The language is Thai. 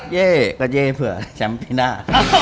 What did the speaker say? เย้เกิดเย้เผื่อแชมป์ปีน่า